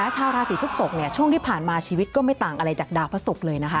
ชาวราศีพฤกษกช่วงที่ผ่านมาชีวิตก็ไม่ต่างอะไรจากดาวพระศุกร์เลยนะคะ